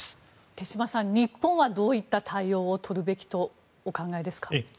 手嶋さん、日本はどういった対応をとるべきとお考えですか？